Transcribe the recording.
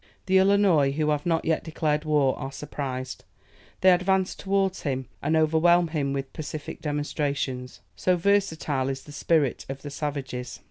The Illinois, who have not yet declared war, are surprised. They advance towards him, and overwhelm him with pacific demonstrations. So versatile is the spirit of the savages!